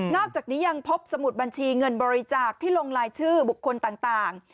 อกจากนี้ยังพบสมุดบัญชีเงินบริจาคที่ลงลายชื่อบุคคลต่าง